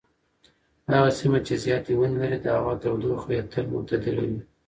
هغه سیمه چې زیاتې ونې لري د هوا تودوخه یې تل معتدله وي.